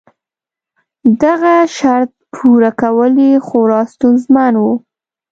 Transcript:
دغه شرط پوره کول یې خورا ستونزمن و.